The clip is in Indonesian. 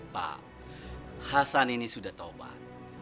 pak hasan ini sudah taubat